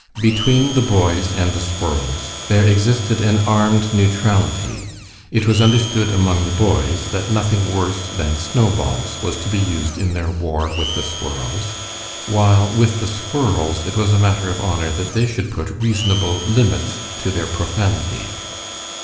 Between the boys and the squirrels there existed an armed neutrality. It was understood among the boys that nothing worse than snowballs was to be used in their war with the squirrels, while with the squirrels it was a matter of honor that they should put reasonable limits to their profanity.